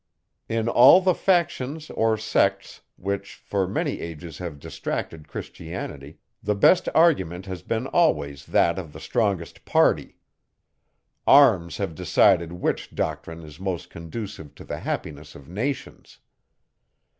In all the factions or sects, which, for many ages have distracted Christianity, the best argument has been always that of the strongest party; arms have decided which doctrine is most conducive to the happiness of nations.